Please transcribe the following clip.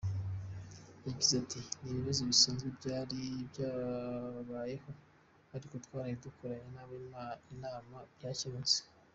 Yagize ati “Ni ibibazo bisanzwe byari byabayeho ariko twaraye dukoranye nabo inama byakemutse.